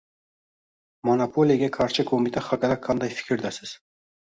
Monopoliyaga qarshi qo'mita haqida qanday fikrdasiz?